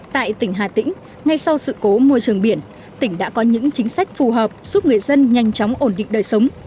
tại tỉnh hà tĩnh ngay sau sự cố môi trường biển tỉnh đã có những chính sách phù hợp giúp người dân nhanh chóng ổn định đời sống